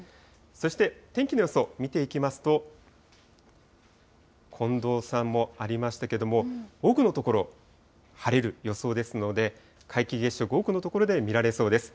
そして天気の予想見ていきますと、近藤さんもありましたけども、多くの所、晴れる予想ですので、皆既月食、多くの所で見られそうです。